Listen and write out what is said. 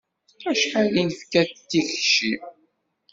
Acḥal i nefka d tikci?